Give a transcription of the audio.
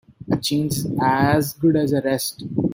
A change is as good as a rest.